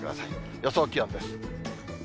予想気温です。